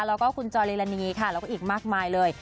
แล้วก็คุณจอลิลานีค่ะแล้วก็อีกมากมายเลย